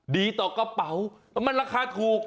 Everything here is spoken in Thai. ดีต่อกระเป๋ามันราคาถูก